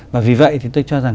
và vì vậy thì tôi cho rằng